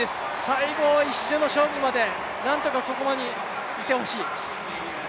最後１周の勝負までなんとかここにいてほしい。